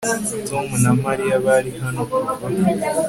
Tom na Mariya bari hano kuva